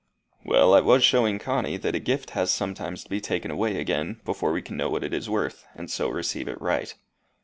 "Well, I was showing Connie that a gift has sometimes to be taken away again before we can know what it is worth, and so receive it right."